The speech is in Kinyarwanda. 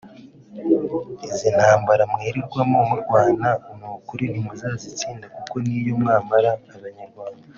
Izi ntambara mwirirwamo murwana n’ukuri ntimuzazitsinda kuko niyo mwamara abanyarwanda